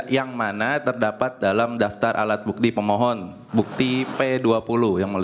yang mana terdapat dalam daftar alat bukti pemohon bukti p dua puluh